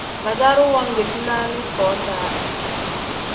Basaru wengeti naani foo-daa.